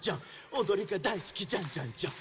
おどりがだいすきジャンジャンジャン！